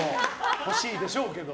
欲しいでしょうけど。